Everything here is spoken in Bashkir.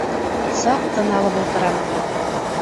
— Саҡ тын алып ултырам.